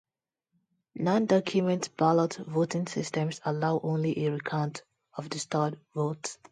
Non-document ballot voting systems allow only a recount of the stored votes.